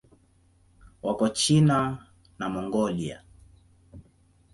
Wako China na Mongolia.